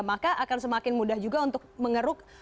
maka akan semakin mudah juga untuk mengeruk